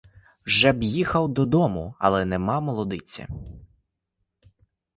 Вже б їхав додому, але нема молодиці.